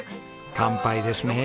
乾杯ですね！